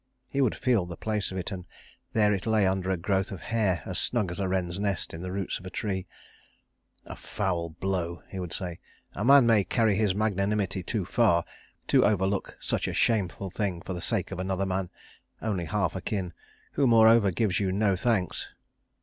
He would feel the place of it: there it lay under a growth of hair as snug as a wren's nest in the roots of a tree. "A foul blow!" he would say; and "A man may carry his magnanimity too far, to overlook such a shameful thing for the sake of another man, only half akin, who moreover gives you no thanks."